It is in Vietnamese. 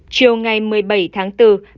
chiều ngày một mươi bảy tháng bốn